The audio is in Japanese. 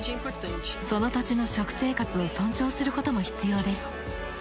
その土地の食生活を尊重することも必要です。